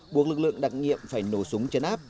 buộc lực lượng đặc nhiệm phải nổ súng chấn áp